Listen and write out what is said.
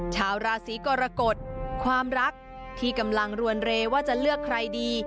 ชาวราศีกรกฎความรักที่กำลังรวนเรว่าจะเลือกใครดี